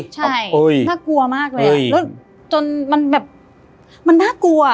ใช่น่ากลัวมากเลยอ่ะแล้วจนมันแบบมันน่ากลัว